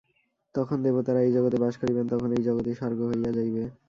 তখন দেবতারা এই জগতে বাস করিবেন, তখন এই জগৎই স্বর্গ হইয়া যাইবে।